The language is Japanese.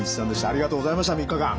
ありがとうございました３日間。